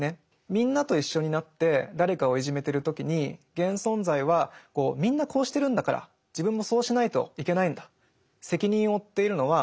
みんなと一緒になって誰かをいじめてる時に現存在は「みんなこうしてるんだから自分もそうしないといけないんだ」。